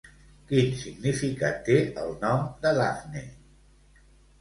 Quin significat té el nom de Dafne?